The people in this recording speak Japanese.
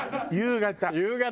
夕方？